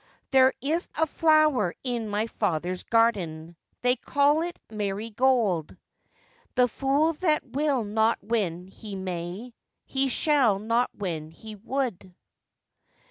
'There is a flower in my father's garden, They call it marygold; The fool that will not when he may, He shall not when he wold.